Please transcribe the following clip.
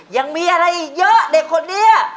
ยังมีอะไรอีกเยอะเด็กคนนี้